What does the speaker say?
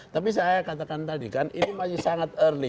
tapi saya katakan tadi kan ini masih sangat early